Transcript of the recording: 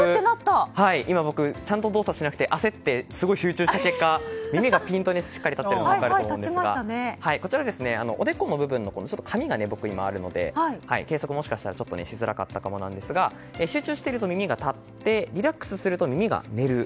今、僕ちゃんと動作しなくて焦ってすごい集中した結果耳がぴんとしっかり立ってるのが分かると思うんですがこちら、おでこの部分に髪が今、僕あるので計測もしかしたらちょっとしづらかったかもですが集中してると耳が立ってリラックスしてると耳が寝る。